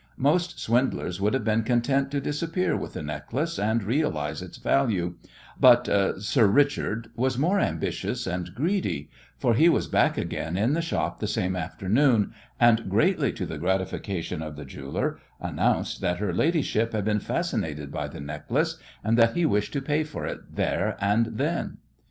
Most swindlers would have been content to disappear with the necklace and realize its value, but "Sir Richard" was more ambitious and greedy, for he was back again in the shop the same afternoon, and, greatly to the gratification of the jeweller, announced that "her ladyship" had been fascinated by the necklace, and that he wished to pay for it there and then.